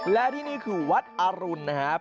และที่นี่คือวัดอรุณนะครับ